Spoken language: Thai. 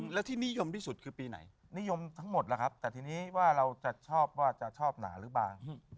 แล้วที่นิยมที่สุดคือปีไหนนิยมทั้งหมดล่ะครับแต่ทีนี้ว่าเราจะชอบว่าจะชอบหนาหรือเปล่า